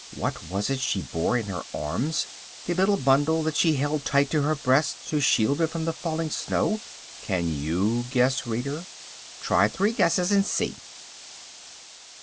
What was it she bore in her arms, the little bundle that she held tight to her breast to shield it from the falling snow? Can you guess, reader? Try three guesses and see.